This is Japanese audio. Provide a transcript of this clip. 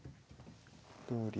同竜